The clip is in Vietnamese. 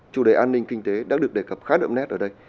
chủ đề an ninh kinh tế đã được đề cập khá đậm nét ở đây